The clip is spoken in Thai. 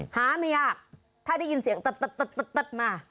หาไม่ยากถ้าได้ยินเสียงตัดมา